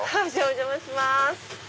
お邪魔します。